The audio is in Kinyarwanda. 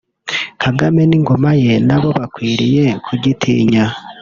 Kagame n’ingoma ye nabo bakwiriye kugitinya